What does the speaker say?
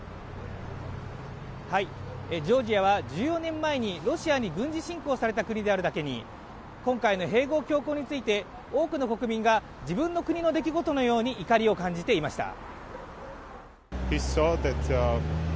ジョージアは１４年前にロシアに軍事侵攻された国であるだけに今回の併合強行について、多くの国民が自分の国の出来事のように怒りを感じていました。